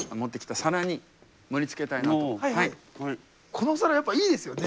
この皿やっぱいいですよね